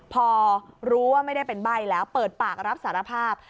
พอรู้ว่าไม่ได้เป็นใบ้แล้วเปิดปากรับสารภาพ